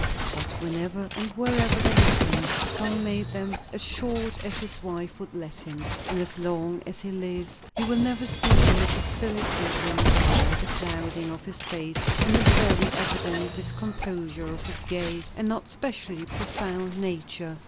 But whenever and wherever they happened, Tom made them as short as his wife would let him. And as long as he lives, he will never see Mrs. Philip Dillwyn without a clouding of his face and a very evident discomposure of his gay and not specially profound nature.